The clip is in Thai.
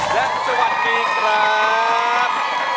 และสวัสดีครับ